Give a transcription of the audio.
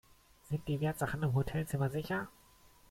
Sind die Wertsachen im Hotelzimmer sicher?